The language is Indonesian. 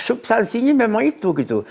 substansinya memang itu gitu